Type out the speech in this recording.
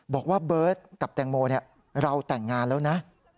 บอกว่าเบิร์ตกับแตงโมเราแต่งงานแล้วนะ